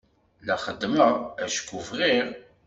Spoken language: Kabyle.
La t-xeddmeɣ acku bɣiɣ.